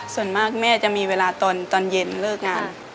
ส่วนมากแม่จะมีเวลาตอนเย็นเลิกงาน